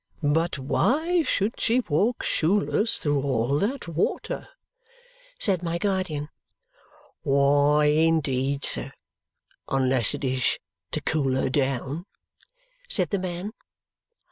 "But why should she walk shoeless through all that water?" said my guardian. "Why, indeed, sir, unless it is to cool her down!" said the man.